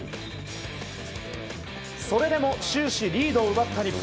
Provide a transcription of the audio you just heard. それでも終始リードを奪った日本。